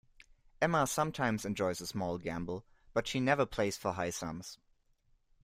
Emma sometimes enjoys a small gamble, but she never plays for high sums